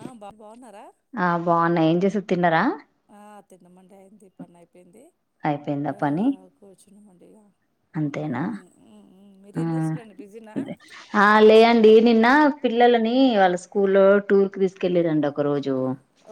ఆ బా బాగున్నారా ఆ బాగున్నా ఏం చేస తిన్నారా ఆ తిన్నమండి అయింది పని అయిపోయింది అయిపోయిందా పని కూర్చున్నమండి ఇగా అంతేనా చేస్తురండి బిజీనా ఆ లే అండి నిన్న పిల్లలని వాళ్ళ స్కూల్లో టూర్ కి తీసుకెళ్లి రండి ఒక రోజు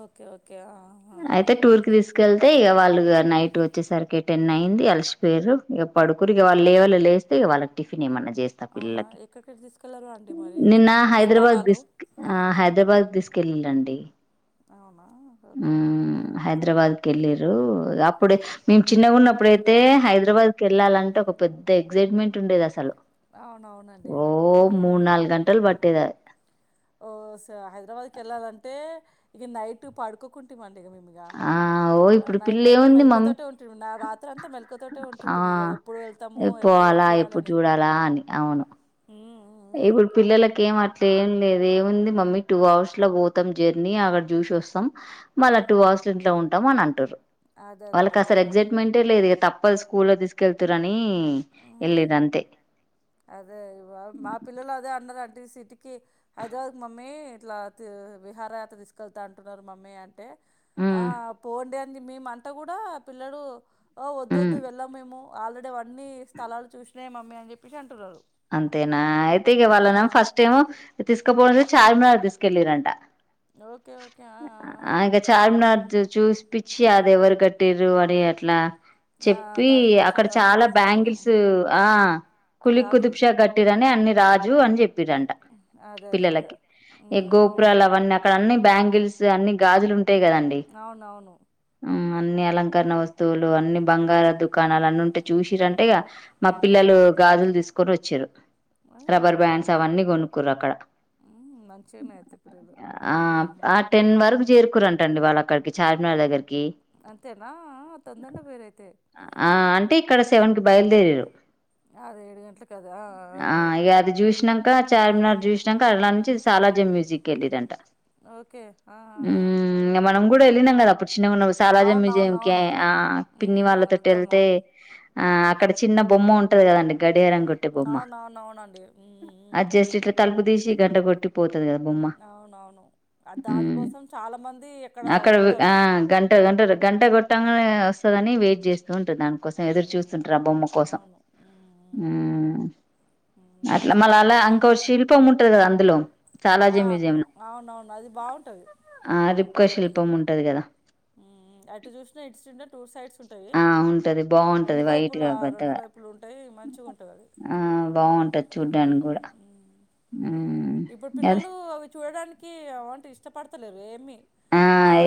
ఓకే ఓకే ఆహా అయితే టూర్ కి తీసుకె అయితే ఇక వాళ్ళు నైట్ వచ్చేసరికి టెన్ అయింది అలిసిపోయరు పడుకురికి వాళ్ళు లేవలే లేస్తే వాళ్ళకి టిఫిన్ ఏమన్నా అవునా ఎక్కడెక్కడ తీసుకెళ్లారు అండి మరి నిన్న హైదరాబాద్ స్థలాలు తీసుకె హైదరాబాద్ తీసుకు పిల్లలండి అవునా ఓకే ఓకే హ్మ్ ఓకే హైదరాబాద్కి వెళ్ళీరు అప్ అప్పుడు మేము చిన్నగా ఉన్నప్పుడైతే హైదరాబాద్ క వెళ్ళాలంటే ఒక పెద్ద ఎగ్సైట్మెంట్ ఉండేది అసలు అవునవునండి ఓ ఉమ్ మూడు నాలుగు గంటలు బట్టేదా హైదరాబాద్కి వెళ్ళాలంటే ఇక నైట్ పడుకోకుంటే మన ఆ ఓ ఇప్పుడు నైట్ అంతా పిల్లేముంది మమ్ మెలుకువతో ఉంటుంది రాత్రి అంతా మెళకతోటే ఉంటుంటిమి ఇక ఎప్పుడు వెళ్తాము ఎప్పుడు అలా ఎప్పుడు చూడాలని చూడాలా అని అవును ఉమ్ ఉమ్ ఇప్పుడు పిల్లలకి ఏం అట్లే ఏం లేదు ఏముంది మమ్మీ టూ అవర్స్ లో పోతాం జర్నీ అక్కడ చూసి వస్తాం మళ్ళా ఉమ్ టూ అవర్స్ ఇంట్లో ఉంటాం అని అంటరు అదే అదే అదే వాళ్ళకి అసలు అదే ఎగ్జైట్మెంటే లేదు తప్ప తప్ప స్కూల్ లో తీసుకెల్తరని ఉమ్ ఎల్లేది అంతే అదే ఇ మా పిల్లలు అదే అన్నారు అంటే సిటీకి హైదరాబాద్ కి మమ్మీ ఇట్లా తి విహారయాత్ర తీసుకెళ్తా అంటున్నారు మమ్మీ అంటే ఆ హ్మ్. పోండి అని మేమంట కూడా ఆ పిల్లడు హ్మ్ వోద్దోద్దు వెళ్ళము మేము ఆల్రెడీ అవన్నీ స్థలాలు చూసినయే మమ్మీ అని చెప్పేసి అంటున్నారు అంతేనా అయితేగ ఆ, వాళ్ళ నెమో ఫస్ట్ టైము తీస్ కపోతె చార్మినార్ తీస్కెలింరంట ఓకే ఓకే ఆ, ఆ, ఆ. అకా చార్మినార్జ చూసిపిచి అది ఎవరు కట్టిరు అని అట్లా ఆ చెప్పి దాని గురించి అక్కడ ఆ చాలా వివరించరేమో బ్యాంగిల్స్ ఆ కులి గాజులు కుదుబ్షా కట్టిడని అన్ని రాజు అని చెప్పిరంట ఉమ్, అదే అదే అదే పిల్లలకి ఈ ఉమ్ గోపురాలు అవన్నీ అక్కడ అన్ని బ్యాంగిల్స్ అన్ని గాజులు ఉంటాయి కదండి అవునవును ఊ అన్ని అలంకరణ వస్తువులు అన్ని బంగార దుకాణాలు అన్ని ఉంటే చూసిరంటిగ మా ఉమ్ పిల్లలు గాజులు తీసుకొని వచ్చిరు రబ్బర్ బ్యాండ్స్ బానే అవన్నీ కొనుకురు అక్కడ ఉమ్ మంచిగానే అయితే పిల్లలు ఆ ఉమ్ ఆ టెన్ వరకు చేరుకురంటండి వాళ్ళ అక్కడికి చార్మినార్ అలగరికి అంతేనా ఆ తొందర్నె పోయిరైతే ఆ అంటే ఇక్కడ సెవెన్ కి బయలుదేరిరు అదేడు గంటలకు ఆ ఇక అది చూసినంక చార్మినార్ చూసినాక అలా నుంచి సాలజింగ్ మ్యూజిక్ వెళ్ళిరంట ఓకే ఆ ఆ మ్మ్ మనం కూడా వెల్లినం కదా అప్పుడు చిన్నగున్నపుడు సాలాజా అవును మ్యూజియం అవును క అవును ఆ ఉమ్, పిన్ని ఉమ్, వాళ్ళతోటి వెళ్తాం వెళ్తే అవును ఆ అక్కడ చిన్న బొమ్మ ఉంటది కదండి గడి టీ బొమ్మ అవును అవును అవునండి ఉమ్, ఉమ్, అది జస్ట్ ఇట్ల తలుపు దీసి గంట కొట్టిపోతు అవునవును ఆ మ్మ్ దానికోసం చాలా మంది అక్కడ ఉంటారు అంటరు గంట గొట్టంగనే వస్తదని వెయిట్ చేస్ స్తుంటరు దానికోసం ఎదురు ఉమ్, చూస్తుంటారు ఆ బొమ్మ కోసం అవును ఉమ్, ఆ ఉమ్. అట్లా మళ్ళ మంచిగానే ఉంటుందండి అలా ఇంకో శిల్పం ఉంటది కదా అందులో చాలాజీ ఆ మ్యూజియం లో అవునవును అది బాగుంటది ఆ రిప్కా శిల్పం ఉంటది కదా అటు చూసినా ఇటు చూసినా టూ సైడ్స్ ఉంటాయి ఆ ఉంటది బాగుంటది రెండు వైపులా వైట్గా రెండు పెద్దగా వైపులు ఉంటాయి మంచిగా ఉంటుంది అది ఆ బాగు బాంటది చూడ్డానికి మ్మ్, కూడా మ్మ్. మ్మ్ ఇప్పుడు అదే పిల్లలు అవి చూడడానికి అవి అంటే ఇష్టపడతలేరు ఏమి ఆ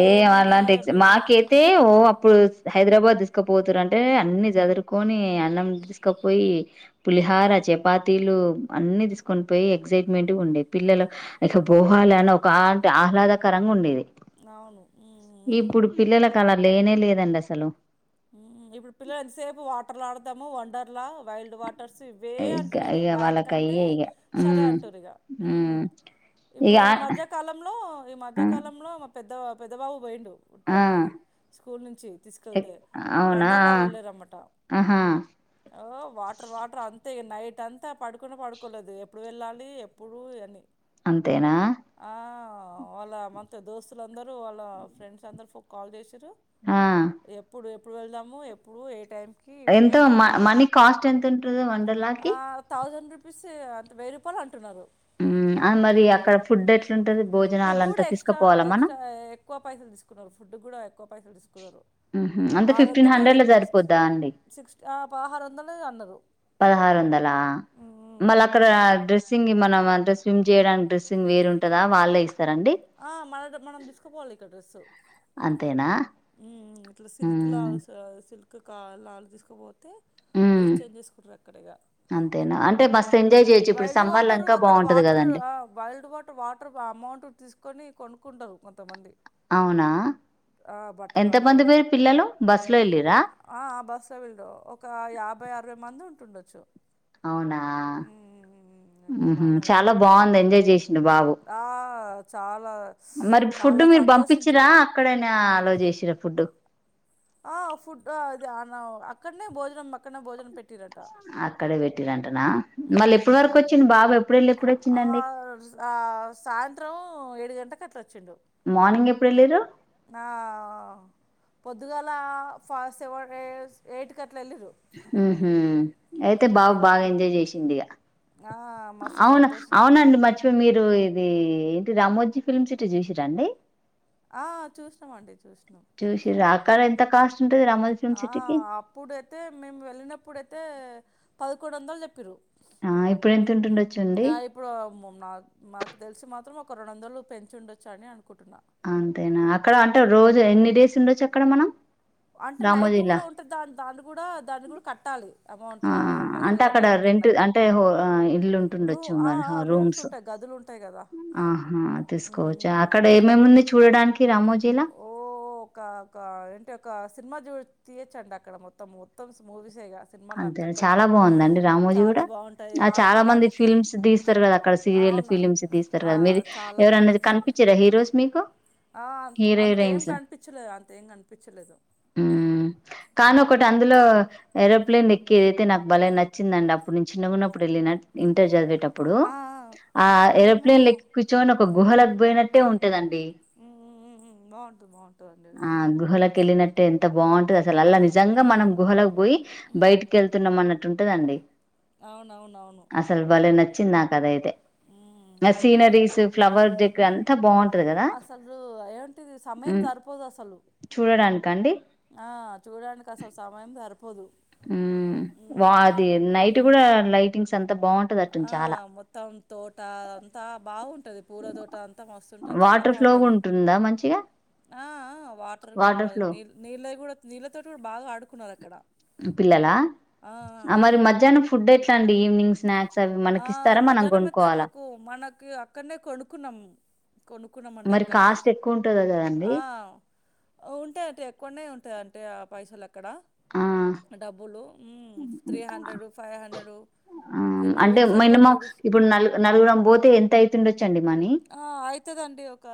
ఏ ఏముంది అలాంటి అవి మాకైతే ఓ అప్పుడు హైదరాబాద్ తీసుకపోతారు అంటే అన్ని చదురుకొని అన్నం తీసుకపోయి పులిహార చపాతీలు అన్ని తీసుకొని పోయి ఎక్సైట్మెంట్ ఉండేది పిల్లలు ఇక బోహాల అని ఒక అ ఆహ్లాదకరంగా ఉండేది అవును ఊ ఊ ఇప్పుడు పిల్లలకు అలా లేనే లేదండి అసలు తమో వండర్ లా వైల్డ్ వాట ట్రస్ ఇవే ఇక అంటున్నరు ఇక వాళ్ళకి వాటికంటే అయ్యే ఇక సరే ఉమ్ అంటురు ఇగ ఊ ఉమ్ ఇక ఇప్పుడు ఆ ఈ మధ్యకాలంలో ఈ మధ్యకాలంలో మా పెద్ద పెద్ద బాబు బైండు ఆ ఉంటది స్కూల్ నుంచి తీసుకెళ్తే అవునా వండర్లా వెళ్ళరామట ఆహా ఓ వాటర్ వాటర్ అంత అంతే నైట్ అంతా పడుకున్నా పడుకోలేదు ఎప్పుడు వెళ్ళాలి ఎప్పుడు అని అంతేనా ఆ వాళ్ళ మంత దోస్తుల అందరూ వాళ్ళ ఫ్రెండ్స్ అందరు ఫో కాల్ చేసీరు ఆ ఎప్పుడు వెళ్దాము ఎప్పుడు ఏ టైం ఎంత మ మనీ కాస్ట్ ఎంత ఉంటుందో వండర్లాకి పీసె అంతే వెయ్యి రూపాయలు అంటున్నారు అ మరి అక్కడ ఫుడ్ ఎట్లుంటది భోజనాలు ఫుడ్ అంతా కూడా ఎక్స్ట్రా తీసుకుపోవాలా మనం ఎక్స్ట్రా ఎక్కువ పైసలు తీసుకున్నారు ఫుడ్ కూడా ఎక్కువ పైసలు తీస్ ఉహుమ్ అంతే ఫిఫ్టీన్ హండ్రెడ్ లో తీసుకు సరిపోద్దా అండి సిక్స్ పదహారు వందలు అన్నారు పదహార్ వందలా మళ్ళ అక్కడ మళ్ళీ డ్రెస్సింగ్ గి మన మ డ్రెస్ స్విమ్ చేయడానిక్ డ్రెస్సింగ్ వేరుంటద వాళ్లే ఇస్ ఆ మనద్ మనం దిస్కోపోవాలి ఇక డ్రెస్సు అంతేనా ఉమ్ మ్మ్ ఇట్లా సిల్క్ లా మ్మ్ స సిల్క్ కా లాల్ తీసుకుపోతే మ్మ్ డ్రెస్ చేంజ్ చేసుకుంటరు అక్కడే ఇగ ఎ బస్ ఎంజాయ్జే వైల్డ్ వాటరు అక్కడ వాటర్ అ వైల్డ్ వాటర్ వాటర్ అమౌంట్ తీసుకొని కొను కుంటరు కొంతమంది అవునా బట్ట కాడ ఎంతమంది ఉమ్. పోయ్ర్ పిల్లలు బస్ల్ ఆ ఆ బస్ ఎవల్దో ఒక యాబై అరవై మంది ఉంటుండొచ్చు అవునా ఉమ్ వీళ్ళు ఉమ్హు బానే పోయిర్రు చాలా బాగుంది ఎంజాయ్ చేసిండు బాబు ఆ చాలా మరి ఫుడ్ చాలా మీరు పంపించ్చిరా సంతోషించుడు అక్కడేనా అలో చేసిరా ఫుడ్ ఆ ఫుడ్ అది అ నవ్ అక్కడ్నే భోజనం అక్కడ్నే భోజనం పెట్టిరం అక్కడే పెట్టినంటనా మళ్ళీ ఎప్పుడు వరకు వచ్చింద్ బాబా ఎప్పుడేళ్ళి ఆ ఎప్పుడొచ్చిందండి ఆ సాయంత్రం ఏడు గంటకి అట్లా వచ్చిండు మార్నింగ్ ఎప్పుడేల్లిరు ఆ పొద్దుగాల ఫ సెవన్ ఎస్ ఎయిట్ క ఉహు అయితే బాబు బాగా ఎంజాయ్ చేసిండ్ ఇగ ఆ మస్తు అవున సంతోషించిండు అవునండి మర్చిపో మీరు ఇది ఏంటి రమోజీ ఫిల్మ్ సిటీ చూసిరా అండి ఆ చూసినాం అండి చూస్ కన్ ఎంత కాస్ట్ ఉంటది రామోజీ ఫిల్మ్ ఆ సిటీకి అప్పుడైతే మేము వెళ్ళినప్పుడైతే పదకొండు వందలు చెప్పిరు ఆ ఇప్పుడు ఎంత ఉంటుండొచ్చుండి నాక్ మాకు తెలిసి మాత్రం ఒక రోండోందల్ పెంచి ఉండొచ్చు అని అనుకుంటున్నా అంతేనా అక్కడ అంటే రోజు ఎన్ని డేస్ ఉండొచ్చు అక్కడ మనం అంటే నైట్ రామోజీలా కూడా ఉంటే దాన్ దాన్ని కూడా దాన్ని కూడా కట్టాలి అమౌంట్ ఆ కదా అంటే పైసలు అక్కడ కట్టాలి రెంట్ అంటే ఒ హ ఇల్లు రూ ఉంటుండొచ్చు ఆ, మరి ఆ, రూమ్స్ రూమ్సు ఉంటాయి గదులు ఉంటాయి కదా సప్ ఆహా ఉమ్, తీసుకోవచ్చు ఉమ్, ఉమ్. అక్కడ ఎమేముంది చూడడాన్క్ ఓ క క ఏంటోకాస్ సిన్మా జూచ్ తీయచ్చండి అక్కడ మొత్తం మొత్తం స్ము మూవీస్ ఎ ఇగ అంతే చాలా బాగుందండి రామోజీ చాలా కూడా బాగుంటాయి చాలా మంది ఆడుకోవడానికి ఫిల్మ్స్ తీస్తారు కదా అక్కడ సీర్ ఇళ్ళు అవునా ఫిలిమ్స్ తీస్తారు ఆ, కదా మీది చాలా మంది ఎవరన్న తీస్తారు కనిపించ్చిరా హీరోస్ మీకు ఆ అంత్ హీరో అంత ఏం హీరోయిన్స్ కనిపించ్చలేదు అంత ఏం కనిపించ్చలేదు మ్ కాన్ ఒకట్ అందులో ఏరోప్లేన్ ఎక్కేదైతే నాక్ బలే నచ్చిందండి అప్పుడు నేను చిన్నగాన్నప్పుడు ఎళ్ళిన ఇంటర్ చదివేటప్ ఇప్పుడు ఆ ఆ మే మేము ఏరోప్లేన్ లెక్కి కూర్చోని ఒక గుహ లేపోయినట్టే ఉంటుదం డి ఉమ్ ఉమ్ ఉమ్ బాగుంటుంది బాగుంటుందండి అది ఆ అవును గహలోక్ ఎల్లినట్టే అంత బాగుంటది అసలు అలా నిజంగా మనం గుహలకు పోయి బయటికి వెళ్తున్నాం అన్నట్టుంటదండి అవునవునవును చిన్ నాక్ అదైతే ఉమ్ మ అవునండి సీనరీస్ ఫ్లవర్ డెక్ ఫ్లవర్స్ అంతా దగ్గర బాగుంటది కదా బాగుంటుందండి. మ్ కాసలు చూడడానికండి ఆ చూడానికి అసలు సమయం జర్ మ్ వా అది ఉమ్ నైట్ కూడా లైటింగ్స్ అం ఆ మొత్తం తోట అంతా బావుంటది పూర తోట అంతా వస్తుంటే చాలా వాటర్ ఫ్లో కూడా బాగవుంటుంది ఉంటుందా మంచిగా ఆ ఆ వాటర్ కూడా నీ నీళ్ళ కూడా నీళ్ళతోటి కూడా బాగా ఆడుకున్నారు పిల్లలా హ్మ్. మరి మధ్యాహ్నం ఫుడ్ ఎట్లా అండి ఈవినింగ్ స్నాక్స్ అవి ఆ మనకి ఇస్తారా మనం మధ్యాహ్నాం అయితే కొనుక్కోవాలా మాకు మనకు అక్కడనే కొడుకున్నాం కొనుక్కున్నామండి మరి అక్కడనే కాస్ట్ ఎక్కువ ఉంటది కదండి ఆ ఉంటాయి అటే కొన్నయి ఉంటాయి అంటే ఆ పైస ల ఆ డబ్బులు మ్ థ్రీ హండ్రెడు ఫైవ్ హండ్రేడు ఆ అంటే మినిమం ఇప్పుడు నలు నలుగురం పోతే ఎంత అయితుండొచ్చు ఆ అయితదండి ఒక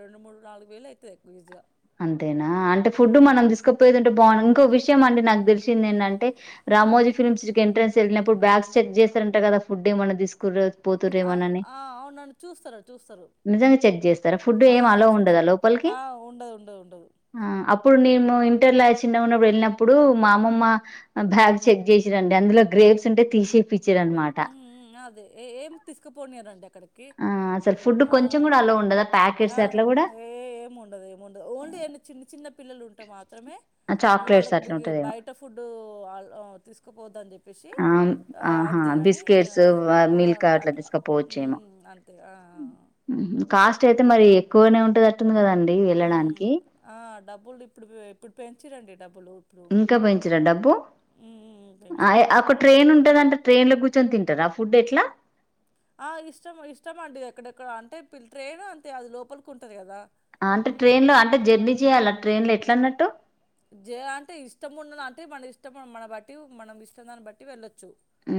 రెండు మూడు నాలుగు వేలు అయితయ్ ది ఈజీగా అంతేనా అంటే ఫుడ్ హ్మ్. మనం తీసుకుపోయేదింటే బావుం ఇంకో విషయం అండి నాకు తెలిసింది ఏంటంటే రామోజీ ఫిల్మ్ సిటీ ఎంట్రెన్స్ వెళ్ళినప్పుడు బ్యాగ్స్ చెక్ చేస్తారంట కదా ఫుడ్ ఏ మన్న తీసుకుర్రూ ఆ! తుర్రెమోనని ఆ! అవునండి. చూస్తారు. చూస్తారు. నిజం గా చెక్ చేస్తారా ఫుడ్ ఆ! ఏం అలో చు చు ఉండదా లోపలికి ఆ ఉండదు ఉండదు ఉండదు ఆ అప్పుడు నేను ఇంటర్లా చిన్న గా ఉన్నప్పుడు వెళ్ళినప్పుడు మా అమమ్మ బ్యాగ్ చెక్ చేసి రండి అందులో గ్రే ప్స్ తీసేపిచి ఉ. ఉ.. మ్... ‍ అదే ఏం తీసుకుపోనియరంట అక్కడికి ఆ అసలు ఫుడ్ ఆ! కొంచెం కూడా అలోవ్ ఉండద ఆ ఏ ఏముండదు ఏముండదు ఓన్లీ ఎన్ని చిన్న చిన్న పిల్లలు ఉంటా మాకు మాత్రమే ఇక చాక్లెట్స్ వాళ్ళకు అట్లా ఉంటదేమో బయట ఫుడ్ తీసుకుపోద్ద ని చెప్పు షి. ఆ ఆ ఆహా అంతే గాని బిస్కెట్స్ అసలు అట్లా అంతే. ఆ...... మ్ కాస్ట్ అయితే మరి ఎక్కువనే ఉంటదట్టుంది కదండి ఉమ్. వెళ్ళడానికి ఆ డబ్బులు ఇప్పుడు ఇప్పుడు పెంర్రండి డబ్బులు ఇప్పుడు ఇంకా పెంచీర్రా డబ్బు మ్మ్ పెంచిరు ఒక ట్రైన్ ఉంటదంటే ట్రైన్ లో కూర్చ కూర్చొని తింటారా ఫుడ్ ఎట్లా ఆ ఇష్టం ఇష్టమ అండి ఎక్కడెక్కడ అంటేల్ ట్రైన్ అంతే అది లోపలికి ఉంటంది కదా అంటే ట్రైన్ లో అంటే జర్నీ చేయాల ట్రైన్ లో ఎట్లా అన్నట్టు జే అంటే ఇష్టం ఉండద అంటే మన ఇష్టం మన బట్టి మనం ఇష్టం దాన్ని బట్టి వెళ్ళొ ు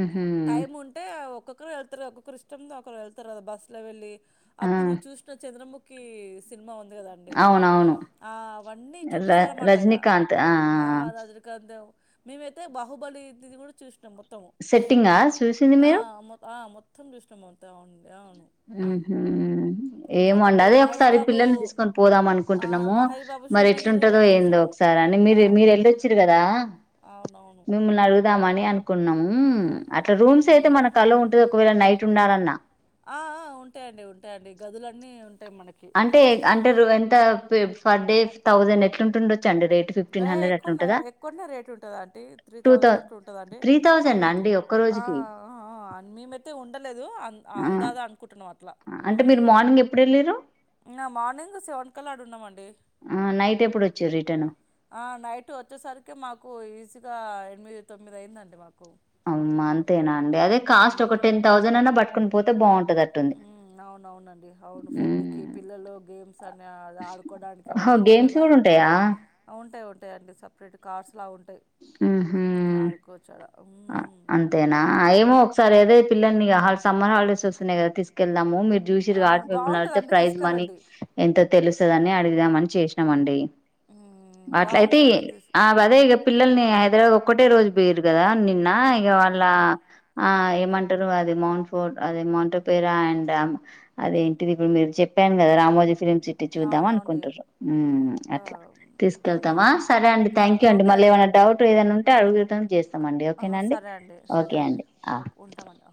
ఉహు టైం ఉంటే ఒక్కొక్కరు వెళ్తారు ఒక్కొక్కరు ఇష్టం ఒకరు వెళ్తారు కదా బస్సులో వెళ్ళి ఆ అప్పుడు చూసిన చంద్రముఖి సినిమా ఉంది కదండి అవునవును ఆ అవన్నీ చూపిస్తారన్నమాట ఇగ. రజనికాంత్ ఆ.. ఆ... ఆ మేమైతే బాహుబలిది కూడా చూస్తు సెట్టింగ్ చూసింది మీరు మొ ఆ! మొత్తం చుషినాంమొత్తం వన్డె. ఉ హుమ్మ్ ఏమోండి ఒకప్పుడు అదే మహేష్ ఒకసారి బాబు పిల్లల్ని తీసుకొని పోదాం ఆ! అనుకుంటున్నాము మహేష్ బాబు మరి షూటింగ్ గూడా ఎట్లుంటదో ఏందో చూసాము. సరే అండి మీరు అవును. మీరు ఎళ్ళొచ్చీరు కదా అవునవును మిమ్మల్ని అడుగుదామని అనుకున్నాము అట్లా రూమ్స్ అయితే హ్మ్. మన కలో ఉంటది ఒకవేళ నైట్ ఉండాలన్నా ఆ ఆ ఉంటాయండి ఉంటాయండి గదులన్నీ ఉం అంటే అంటే ఎంత పర్ డే థౌజండ్ ఎట్లుంటుండు ఏ ఎక్కువన్నా ఎక్కువన్నా రేటు ఉంటదాంటీ త్రీ టూ థౌ థౌజండ్ అట్లా ఉంటందండి త్రీ టూ థౌజండ్ త్రి అండి ఒక్క ఆ రోజుకి అ మెమైతె ఉండ లేదు ఆ అందాదా అనుకుంటున్నాం అట్లా అంటే మీరు మార్నింగ్ ఎప్పుడు వెళ్ళిరు ఆ మార్నింగ్ సెవన్ కల్లా అడున్నామండి ఆ నైట్ ఎప్పుడు వచ్చారు రిటర్న్ నైట్ వచ్చేసరికి మాకు ఈజీగా ఎనిమిది తొమ్మిది అయిందండి మాకు అమ్మ అంతేనా అండి అదే కాస్ట్ ఒక టెన్ థౌసండ్ అన్నా పట్టుకుని పోతే బాగుంటదట్టుంది నవునవునండి అవును ఫుడ్కి పిల్లలు గేమ్స్ సన్న అది ఆడుకోవడానికి ఓహో ఏవన్న అంటారు గేమ్స్ కదా కూడా ఉంటాయా ఉంటాయి ఉం ఉంటాయండి సపరేట్ కార్స్ లా ఉంటాయి ఉహు ఆడుకోవచ్చాడ అంతేనా ఏమో ఒకసారి అదే పిల్లల్ని ఇగ హస్ సమ్మర్ హాలిడేస్ వస్తున్నాయి కదా తీసుకెళ్దాము మీరు చూసిరు అవును కావట్టి మిమ్ముల్ని అడుగుతే బాగుంటదండి ప్రైజ్ మనీ తీసుకెళ్ళండి ఎంతో తెలుసు తదని అడుగుదాం అని చేసి న మండి ఉమ్ అట్లయితే బాగుంటదండి తీసు ఆ గదే ఇగ పిల్లల్ని హైద్రా ఒకటే రోజు పెర్రు కదా నిన్న ఇగ వాళ్ళ ఆ ఏమంటారు అది మౌంట్ ఫో అది మౌంట్ పేరా అండ్ అదేంటిది ఇప్పుడు మీరు చె చెప్పాను కదా రామోజీ ఫిలిమ్ సిటీ చూద్దాం అవునండి అనుకుంటురు ఉమ్ ఆ అట్లా మ తీసుకెళ్తామా సరే అండి నా థ్యాంక్ యు అండి ఓకే మళ్ళ ఏమనా డౌట్ ఏదనా ఉంటే అడుగుతాం చేస్తామండి ఆహా, ఓకేనండి సరే అండి సరే అండి ఓక్ ఉంటామన్న